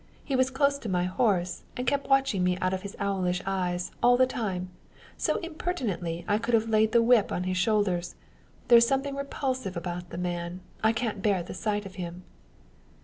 He was close to my horse, and kept watching me out of his owlish eyes, all the time; so impertinently I could have laid the whip over his shoulders. There's something repulsive about the man; I can't bear the sight of him."